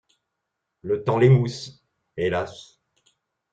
Le temps l'émousse, hélas!